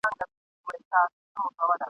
نور مي بېګانه له پلونو ښار دی بیا به نه وینو ..